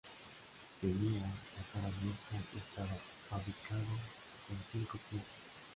Tenía la cara abierta y estaba fabricado con cinco piezas.